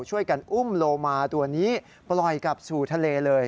ช่วยกันอุ้มโลมาตัวนี้ปล่อยกลับสู่ทะเลเลย